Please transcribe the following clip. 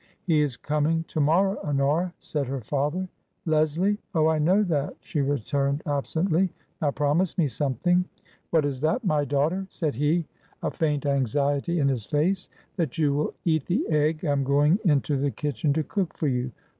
" He is coming to morrow, Honora," said her father. Leslie ? Oh, I know that," she returned, absently. " Now promise me something ?"" What is that, my daughter ?" said he, a faint anxiety in his face. " That you will eat the egg I am going into the kitchen to cook for you.